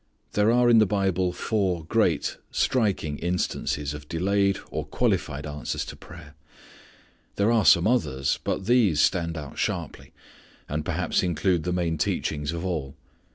There are in the Bible four great, striking instances of delayed, or qualified answers to prayer. There are some others; but these stand out sharply, and perhaps include the main teachings of all.